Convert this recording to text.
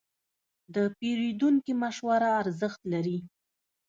د پیرودونکي مشوره ارزښت لري.